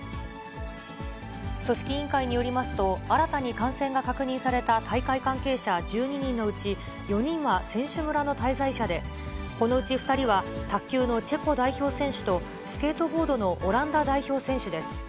組織委員会によりますと、新たに感染が確認された大会関係者１２人のうち、４人は選手村の滞在者で、このうち２人は、卓球のチェコ代表選手と、スケートボードのオランダ代表選手です。